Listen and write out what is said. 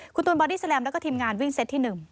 คุณตูนบอดี้แลมแล้วก็ทีมงานวิ่งเซตที่๑